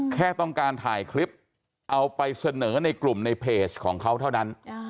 แค่ต้องการถ่ายคลิปเอาไปเสนอในกลุ่มในเพจของเขาเท่านั้น